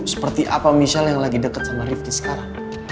seperti apa michelle yang lagi deket sama rifki sekarang